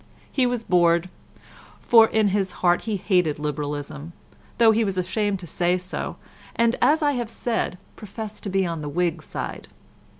He was bored, for in his heart he hated Liberalism, though he was ashamed to say so, and, as I have said, professed to be on the Whig side.